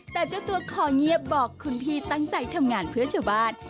แต่เจ้าตัวขอเงียบบอกคุณพี่ตั้งใจทำงานเพื่อชาวบ้าน